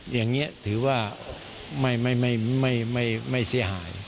อย่างนี้ถือว่าไม่เสียหาย